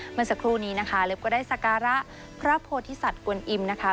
เมื่อสักครู่นี้นะคะเล็บก็ได้สการะพระโพธิสัตว์กวนอิมนะคะ